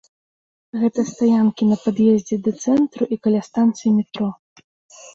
Гэта стаянкі на пад'ездзе да цэнтру і каля станцый метро.